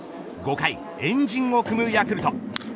５回、円陣を組むヤクルト。